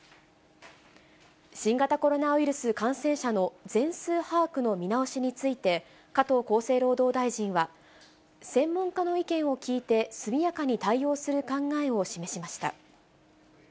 新型コロナウイルス感染者の全数把握の見直しについて、加藤厚生労働大臣は、専門家の意見を聞いて、速やかに対応する考えを示しました。